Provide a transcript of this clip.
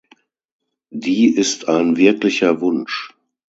Die ist ein wirklicher Wunsch.